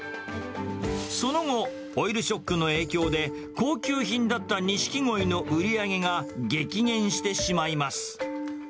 その後、オイルショックの影響で、高級品だったニシキゴイの売り上げが激減してしまいます。